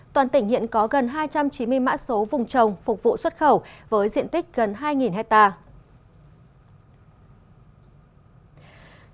toàn tỉnh hiện có gần hai trăm chín mươi mã số vùng trồng phục vụ xuất khẩu với diện tích gần hai hectare